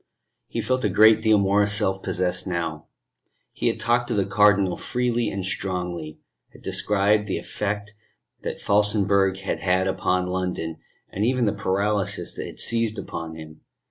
He felt a great deal more self possessed now. He had talked to the Cardinal freely and strongly, had described the effect that Felsenburgh had had upon London, and even the paralysis that had seized upon himself.